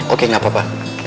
oke gak apa apa